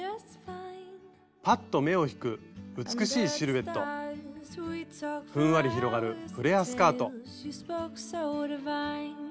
ぱっと目を引く美しいシルエットふんわり広がるフレアスカート。